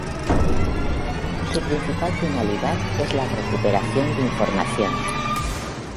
Su principal finalidad es la recuperación de información.